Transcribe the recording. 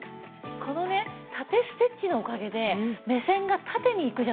このね縦ステッチのおかげで目線が縦にいくじゃないですか。